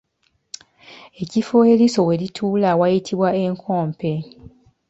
Ekifo eriiso we lituula wayitibwa enkompe.